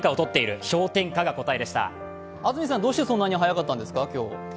安住さん、どうしてそんなに早かったんですか？